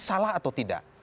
salah atau tidak